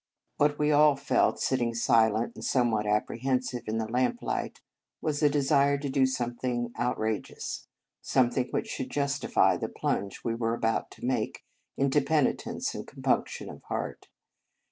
What we all felt, sitting silent and somewhat apprehensive in the lamplight, was a desire to do some thing outrageous, something which should justify the plunge we were about to make into penitence and compunction of heart.